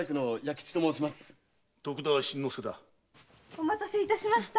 お待たせいたしました。